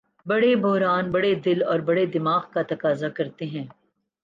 بڑے بحران بڑے دل اور بڑے دماغ کا تقاضا کرتے ہیں۔